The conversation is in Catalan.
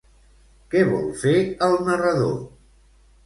Què vol fer el narrador?